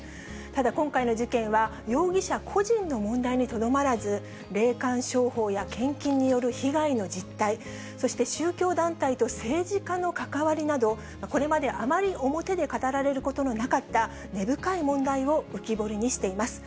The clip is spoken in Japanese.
ただ、今回の事件は容疑者個人の問題にとどまらず、霊感商法や献金による被害の実態、そして宗教団体と政治家の関わりなど、これまであまり表で語られることのなかった根深い問題を浮き彫りにしています。